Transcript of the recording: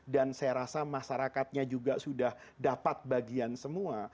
dan saya rasa masyarakatnya juga sudah dapat bagian semua